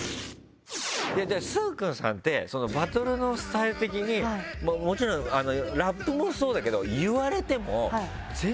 崇勲さんってバトルのスタイル的にもちろんラップもそうだけど。